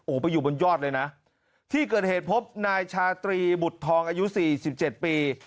โอ้ไปอยู่บนยอดเลยนะที่เกิดเหตุพบนายชาตรีบุตรทองอายุ๔๗ปี